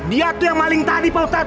dia tuh yang maling tadi pak ustad